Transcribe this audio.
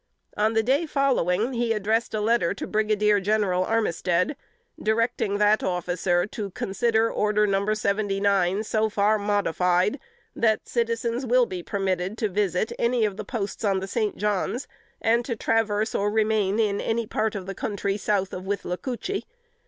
On the day following, he addressed a letter to Brig. General Armistead, directing that officer to "consider Order No. 79 so far modified, that citizens will be permitted to visit any of the posts on the St. John's, and to traverse or remain in any part of the country south of Withlacoochee.